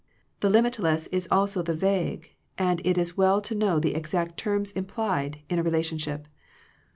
The limitless is also the vague, and it is well to know the exact terms implied in a re lationship.